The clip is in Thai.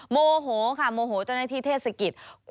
โมโหค่ะโมโหเจ้าหน้าที่เทศกิจ